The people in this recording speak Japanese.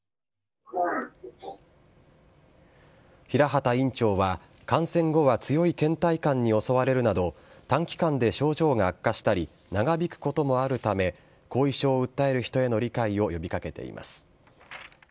平畑院長は、感染後は強いけん怠感に襲われるなど、短期間で症状が悪化したり、長引くこともあるため、後遺症を訴える人への理解を呼びかけています。